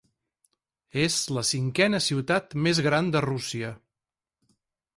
És la cinquena ciutat més gran de Rússia.